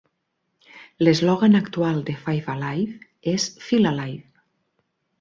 L'eslògan actual de Five Alive és Feel Alive!